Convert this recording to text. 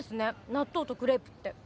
納豆とクレープって。